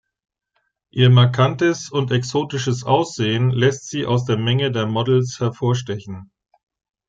Ihr markantes und exotisches Aussehen lässt sie aus der Menge der Models hervorstechen.